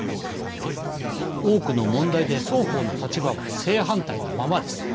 多くの問題で双方の立場は正反対なままです。